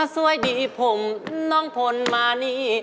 สวัสดีผมน้องพลมานี่